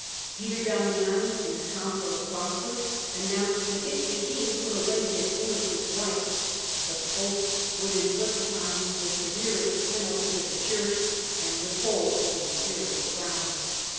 Peter Damiani, in the Council of Frankfurt, announced that if the king put away his innocent wife, the pope would inflict upon him the severest penalties of the Church, and withhold the imperial crown.